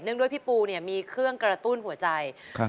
ด้วยพี่ปูเนี่ยมีเครื่องกระตุ้นหัวใจครับ